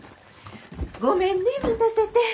ごめんね待たせて。